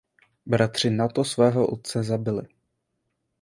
Bratři nato svého otce zabili.